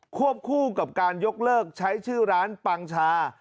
วบคู่กับการยกเลิกใช้ชื่อร้านปังชา